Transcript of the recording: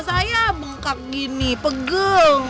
saya bengkak gini pegel